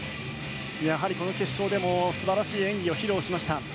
やはりこの決勝でも素晴らしい演技を披露しました。